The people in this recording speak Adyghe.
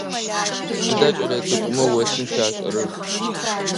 Сыда кӏэлэцӏыкӏумэ осым щашӏэрэр?